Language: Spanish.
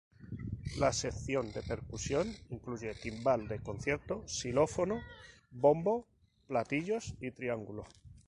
La sección de percusión incluye Timbal de concierto, xilófono, bombo, platillos y triángulo.